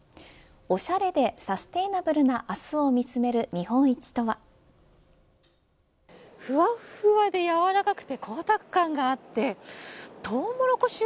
おしゃれでサステナブルな明日を見つめるふわふわでやわらかくて光沢感があってトウモロコシ